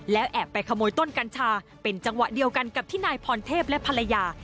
แล้วแอบไปขโมยต้นกัญชาเป็นจังหวะเดียวกันกับที่นายพรเทพและภรรยา